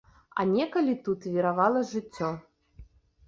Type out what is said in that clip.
А некалі тут віравала жыццё.